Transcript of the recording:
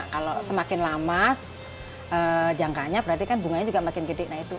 kalau semakin lama jangkanya berarti bunganya juga makin besar